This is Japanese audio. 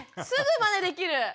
すぐまねできる。